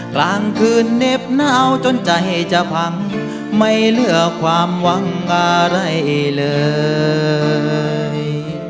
กลางคืนเน็บหนาวจนใจจะพังไม่เลือกความหวังอะไรเลย